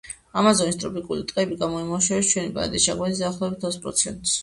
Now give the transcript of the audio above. ამაზონის ტროპიკული ტყეები გამოიმუშავებს ჩვენი პლანეტის ჟანგბადის დაახლოებით ოც პროცენტს.